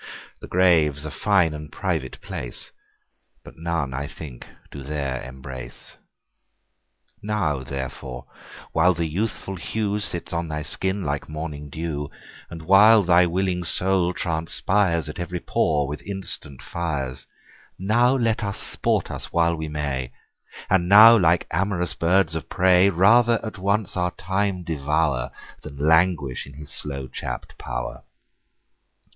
The Grave's a fine and private place, But none I think do there embrace. Now therefore, while the youthful hewSits on thy skin like morning [dew]And while thy willing Soul transpiresAt every pore with instant Fires, Now let us sport us while we may; And now, like am'rous birds of prey, Rather at once our Time devour, Than languish in his slow chapt pow'r.